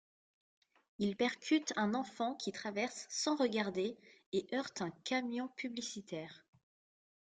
Il percute un enfant qui traverse sans regarder et heurte un camion publicitaire.